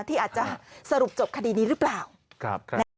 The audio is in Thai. ที่อาจจะสรุปจบคดีนี้หรือเปล่า